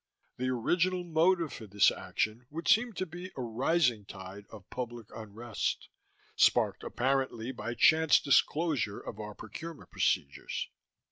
The original motive for this action would seem to be a rising tide of public unrest, sparked apparently by chance disclosure of our procurement procedures.